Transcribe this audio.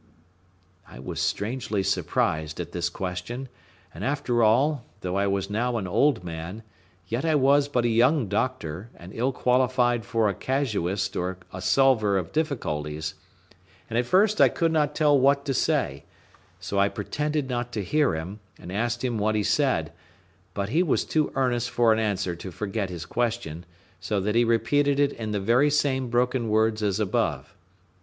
I was strangely surprised at this question; and, after all, though I was now an old man, yet I was but a young doctor, and ill qualified for a casuist or a solver of difficulties; and at first I could not tell what to say; so I pretended not to hear him, and asked him what he said; but he was too earnest for an answer to forget his question, so that he repeated it in the very same broken words as above.